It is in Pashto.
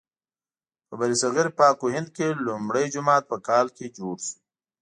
په برصغیر پاک و هند کې لومړی جومات په کال کې جوړ شو.